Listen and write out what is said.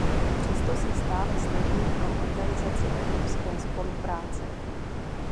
Přesto se stále snažíme o organizaci evropské spolupráce.